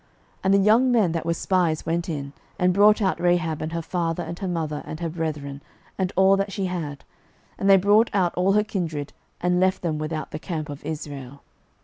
06:006:023 And the young men that were spies went in, and brought out Rahab, and her father, and her mother, and her brethren, and all that she had; and they brought out all her kindred, and left them without the camp of Israel.